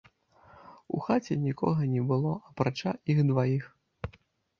У хаце нікога не было, апрача іх дваіх.